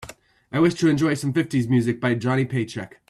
I wish to enjoy some fifties music by Johnny Paycheck.